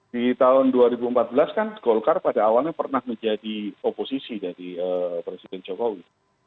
di tahun dua ribu empat belas kan golkar pada awalnya pernah menjadi oposisi dari presiden jokowi